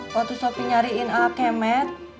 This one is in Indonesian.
waktu sopi nyariin a kemet